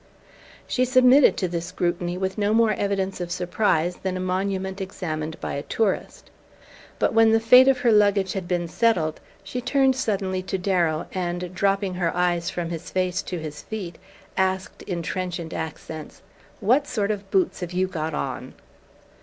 She submitted to this scrutiny with no more evidence of surprise than a monument examined by a tourist; but when the fate of her luggage had been settled she turned suddenly to Darrow and, dropping her eyes from his face to his feet, asked in trenchant accents: "What sort of boots have you got on?"